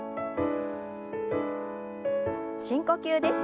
深呼吸です。